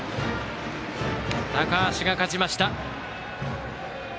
高橋が勝ちました。